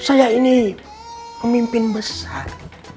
saya ini pemimpin besar